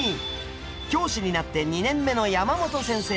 教師になって２年目の山本先生。